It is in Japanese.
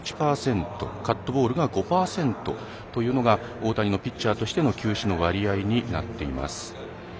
カットボールが５％というのが大谷のピッチャーとしての球種の割合になっています。